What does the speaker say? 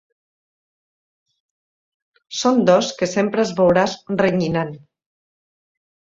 Són dos que sempre els veuràs renyinant.